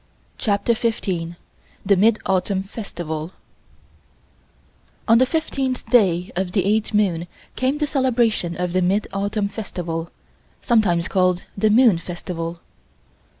CHAPTER FIFTEEN THE MID AUTUMN FESTIVAL ON the fifteenth day of the eighth moon came the celebration of the Mid Autumn Festival, sometimes called the Moon Festival.